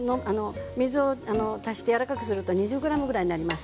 水を足してやわらかくすると２０ｇぐらいになります。